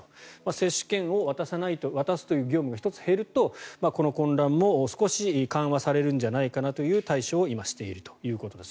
接種券を渡すという業務が１つ減るとこの混乱も少し緩和されるんじゃないかという対処を今しているということです。